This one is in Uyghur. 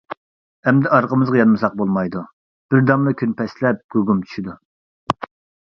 -ئەمدى ئارقىمىزغا يانمىساق بولمايدۇ، بىردەملا كۈن پەسلەپ، گۇگۇم چۈشىدۇ.